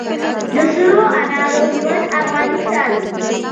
د سرو انارو هیواد افغانستان.